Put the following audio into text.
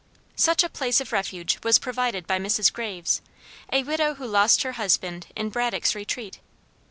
Such a place of refuge was provided by Mrs. Graves, a widow who lost her husband in Braddock's retreat.